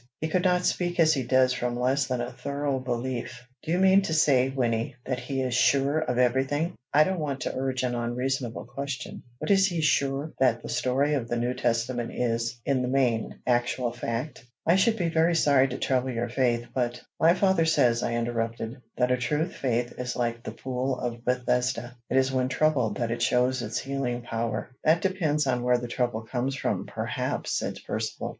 He could not speak as he does from less than a thorough belief." "Do you mean to say, Wynnie, that he is sure of every thing, I don't want to urge an unreasonable question, but is he sure that the story of the New Testament is, in the main, actual fact? I should be very sorry to trouble your faith, but" "My father says," I interrupted, "that a true faith is like the Pool of Bethesda: it is when troubled that it shows its healing power." "That depends on where the trouble comes from, perhaps," said Percivale.